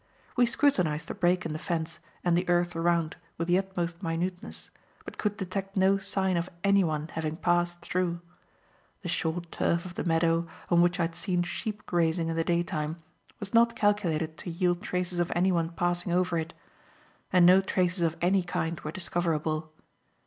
We scrutinized the break in the fence and the earth around with the utmost minuteness, but could detect no sign of anyone having passed through. The short turf of the meadow, on which I had seen sheep grazing in the daytime, was not calculated to yield traces of anyone passing over it, and no traces of any kind were discoverable.